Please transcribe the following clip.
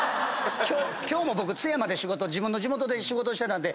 今日も僕津山で仕事自分の地元で仕事してたんで。